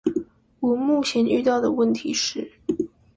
我目前遇到的問題是